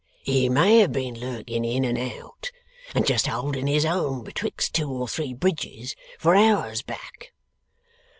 He may have been lurking in and out, and just holding his own betwixt two or three bridges, for hours back.